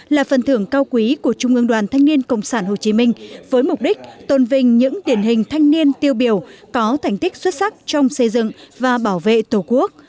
là phần thưởng cao quý của trung ương đoàn thanh niên cộng sản hồ chí minh với mục đích tôn vinh những điển hình thanh niên tiêu biểu có thành tích xuất sắc trong xây dựng và bảo vệ tổ quốc